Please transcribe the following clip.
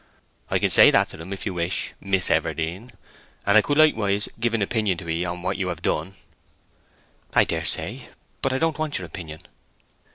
"I can say that to them if you wish, Miss Everdene. And I could likewise give an opinion to 'ee on what you have done." "I daresay. But I don't want your opinion."